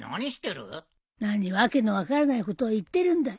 何訳の分からないことを言ってるんだい。